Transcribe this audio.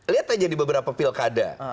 lihat aja di beberapa pilkada